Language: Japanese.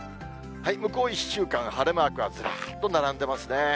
向こう１週間、晴れマークがずらっと並んでますね。